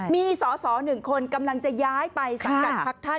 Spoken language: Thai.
มีสอหนึ่งคนกำลังจะย้ายไปศักดิ์การภักดิ์ท่าน